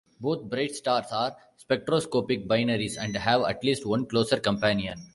Both bright stars are spectroscopic binaries and have at least one closer companion.